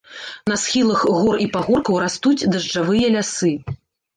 На схілах гор і пагоркаў растуць дажджавыя лясы.